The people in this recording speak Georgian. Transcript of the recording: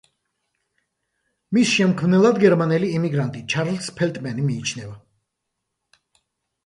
მის შემქმნელად გერმანელი იმიგრანტი, ჩარლზ ფელტმენი მიიჩნევა.